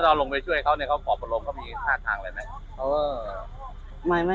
เวาลงไปช่วยเขาบอกมะลงมีทางได้ไหม